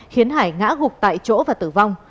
khiến hải ngã gục tại chỗ và tử vong